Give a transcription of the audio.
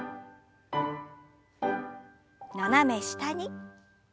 斜め下に。